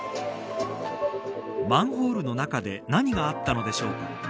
マンホールの中で何があったのでしょうか。